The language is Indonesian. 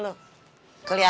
uh ya eluh